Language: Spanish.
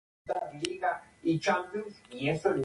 Lo utilizó el equipo del Deportivo Jalapa de la Primera División.